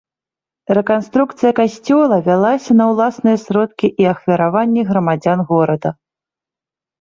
Рэканструкцыя касцёла вялася на ўласныя сродкі і ахвяраванні грамадзян горада.